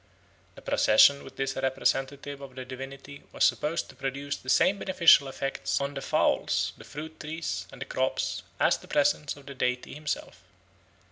_ The procession with this representative of the divinity was supposed to produce the same beneficial effects on the fowls, the fruit trees, and the crops as the presence of the deity himself.